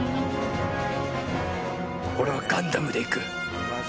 俺はガンダムで行く！。